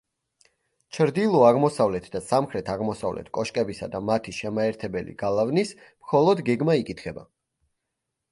ჩრდილო-აღმოსავლეთ და სამხრეთ-აღმოსავლეთ კოშკებისა და მათი შემაერთებელი გალავნის მხოლოდ გეგმა იკითხება.